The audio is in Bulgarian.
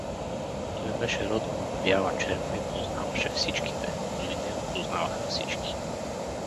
Той беше родом от Бяла черква и познаваше всичките, но и него познаваха всички.